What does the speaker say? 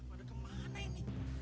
pada kemana ini